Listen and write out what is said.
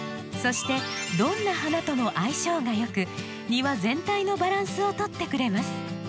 そしてどんな花とも相性が良く庭全体のバランスをとってくれます。